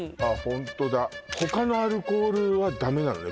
ホントだ他のアルコールはダメなのね